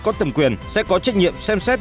có tầm quyền sẽ có trách nhiệm xem xét